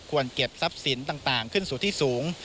เก็บทรัพย์สินต่างขึ้นสู่ที่สูง